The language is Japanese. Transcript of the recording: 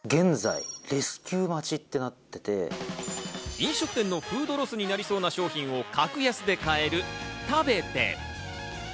飲食店のフードロスになりそうな商品を格安で買える、タベテ。